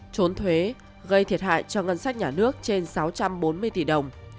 trốn thuế gây thiệt hại cho ngân sách nhà nước trên sáu trăm bốn mươi tỷ đồng